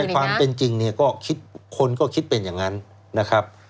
ความเป็นจริงเนี่ยก็คิดคนก็คิดเป็นอย่างนั้นนะครับ